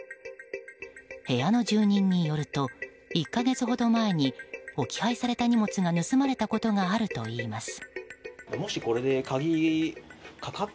部屋の住人によると１か月ほど前に置き配された荷物が盗まれたことがあるといいます。